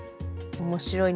面白い。